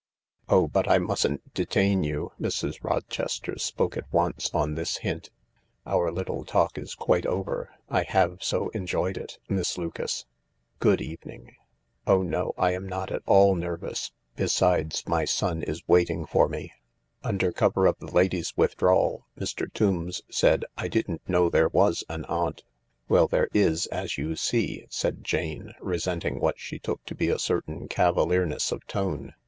"Oh, but I mustn't detain you." Mrs. Rochester spoke at once on this hint. " Our little talk is quite over. I have so enjoyed it, Miss Lucas. Good evening. Oh no — I am not at all nervous; besides, my son is waiting for THE LARK Under cover of the lady's withdrawal Mr. Tombs said, " I didn't know there was an aunt." " Well, there is, as you see," said Jane, resenting what she took to be a certain cavalierness of tone.